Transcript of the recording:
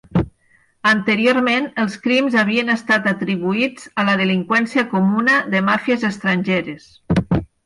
Anteriorment, els crims havien estat atribuïts a la delinqüència comuna de màfies estrangeres.